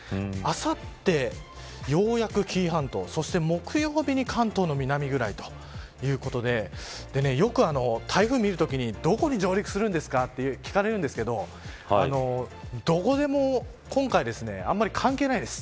あさって、ようやく紀伊半島そして木曜日に関東の南ぐらいということでよく、台風を見るときにどこに上陸するんですかと聞かれるんですけどどこでも今回あまり関係ないです。